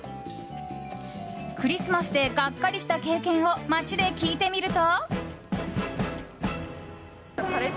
クリスマスでガッカリした経験を街で聞いてみると。